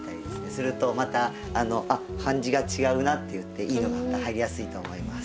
するとまたあっ感じが違うなっていっていいのがまた入りやすいと思います。